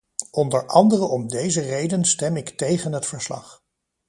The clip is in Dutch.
Onder andere om deze reden stem ik tegen het verslag.